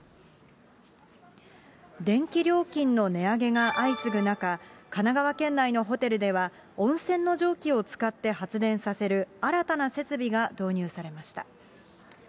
電気料金の値上げが相次ぐ中、神奈川県内のホテルでは、温泉の蒸気を使って発電させる新たな設備が導入されました。